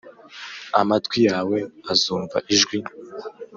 , amatwi yawe azumva ijwi